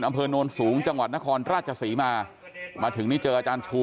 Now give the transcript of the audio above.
อำเภอโนนสูงจังหวัดนครราชศรีมามาถึงนี่เจออาจารย์ชู